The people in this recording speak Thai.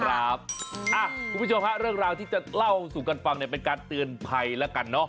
คุณผู้ชมฮะเรื่องราวที่จะเล่าสู่กันฟังเนี่ยเป็นการเตือนภัยแล้วกันเนอะ